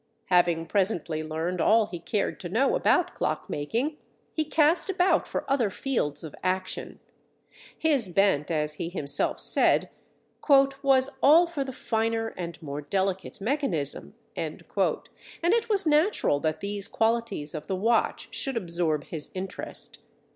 Having presently learned all he cared to know about clock making, he cast about for other fields of action. His bent, as he himself said, "was all for the finer and more delicate mechanism," and it was natural that these qualities of the watch should absorb his interest.